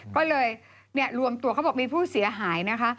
ก็เลยโรงตัวก็บอกว่ามีผู้เสียหายนะคะ